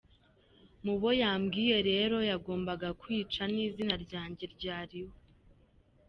Mubo yababwiye rero yagombaga kwica n’izina ryanjye ryariho.